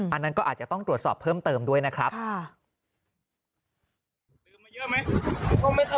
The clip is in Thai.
อันนั้นก็อาจจะต้องตรวจสอบเพิ่มเติมด้วยนะครับ